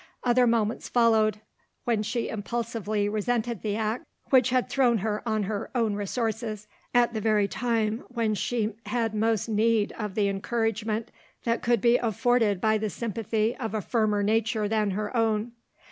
Other moments followed, when she impulsively resented the act which had thrown her on her own resources, at the very time when she had most need of the encouragement that could be afforded by the sympathy of a firmer nature than her own.